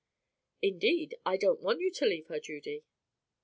"Indeed, I don't want you to leave her, Judy."